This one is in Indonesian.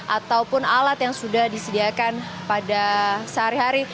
ataupun alat yang sudah disediakan pada sehari hari